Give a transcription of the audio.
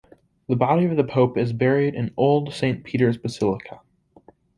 The body of the pope is buried in Old Saint Peter's Basilica.